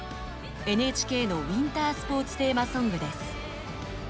ＮＨＫのウィンタースポーツテーマソングです。